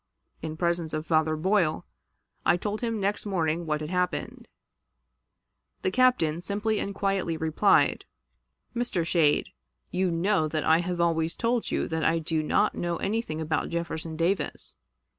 In presence of Father Boyle, I told him next morning what had happened. The Captain simply and quietly replied: 'Mr. Schade, you know that I have always told you that I do not know anything about Jefferson Davis.